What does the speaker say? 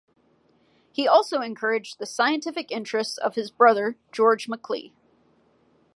He also encouraged the scientific interests of his brother George Macleay.